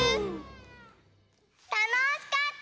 たのしかった！